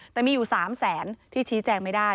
แต่มีอยู่๓แสนที่ชี้แจงไม่ได้